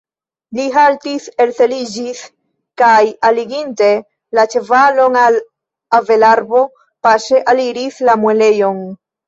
Li haltis, elseliĝis kaj, alliginte la ĉevalon al avelarbo, paŝe aliris la muelejon.